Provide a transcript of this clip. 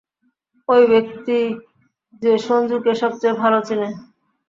ঐ ব্যাক্তি, যে সঞ্জুকে সবচেয়ে ভালো চিনে!